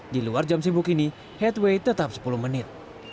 di luar jam sibuk ini headway tetap sepuluh menit